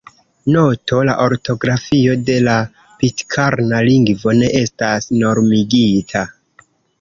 Noto: La ortografio de la pitkarna lingvo ne estas normigita.